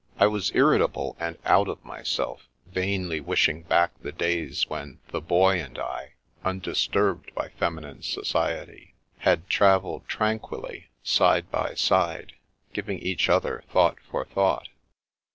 I was irritable and " out of mjrself," vainly wishing back the days when the Boy and I, un disturbed by feminine society, had travelled tran The Little Rift within the Lute 227 quilly, side by side, giving each other thought for thought.